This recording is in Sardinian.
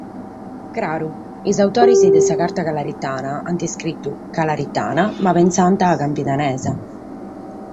Craru, sos autores de sa Carta Calaritana ant iscritu “calaritana”, ma pessaiant a “campidanesa”.